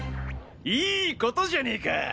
いことじゃねぇか。